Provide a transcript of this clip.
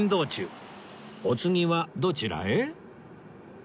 お次はどちらへ？